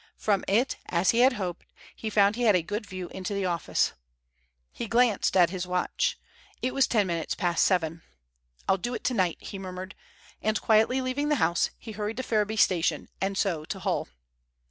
From it, as he had hoped, he found he had a good view into the office. He glanced at his watch. It was ten minutes past seven. "I'll do it tonight," he murmured, and quietly leaving the house, he hurried to Ferriby Station and so to Hull.